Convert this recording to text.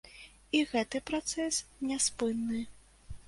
І гэты працэс няспынны.